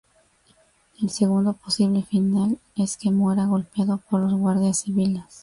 El segundo posible final es que muera golpeado por los guardias civiles.